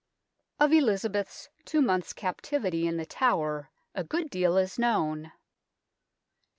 Of Elizabeth's two months' captivity in The Tower a good deal is known.